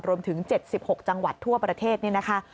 รวมถึง๗๖จังหวัดทั่วประเทศนี่นะคะ